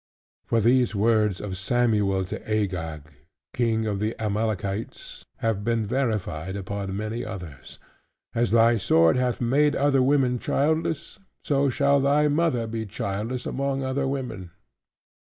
For these words of Samuel to Agag King of the Amalekites, have been verified upon many others: "As thy sword hath made other women childless, so shall thy mother be childless among other women."